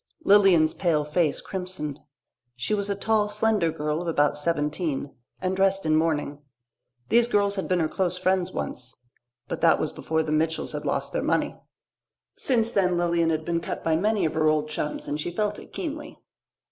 Lilian's pale face crimsoned. She was a tall, slender girl of about seventeen, and dressed in mourning. These girls had been her close friends once. But that was before the Mitchells had lost their money. Since then Lilian had been cut by many of her old chums and she felt it keenly.